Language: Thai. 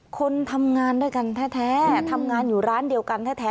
คนทำงานด้วยกันแท้ทำงานอยู่ร้านเดียวกันแท้